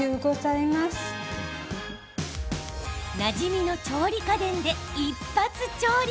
なじみの調理家電でイッパツ調理。